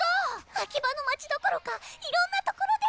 アキバの街どころかいろんなところで！